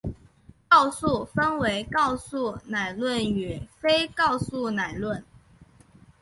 告诉分为告诉乃论与非告诉乃论。